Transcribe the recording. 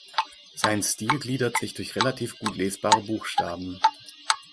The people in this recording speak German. Sein Stil gliedert sich durch relativ gut lesbare Buchstaben.